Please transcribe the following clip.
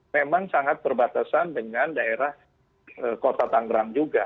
memang sangat berbatasan dengan daerah kota tanggerang juga